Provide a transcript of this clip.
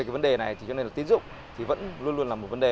vấn đề này cho nên là tiến dụng thì vẫn luôn luôn là một vấn đề